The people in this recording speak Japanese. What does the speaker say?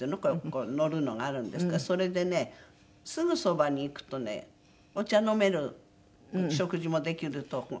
こう乗るのがあるんですけどそれでねすぐそばに行くとねお茶飲める食事もできるとこ。